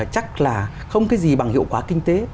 chắc là không cái gì bằng hiệu quả kinh tế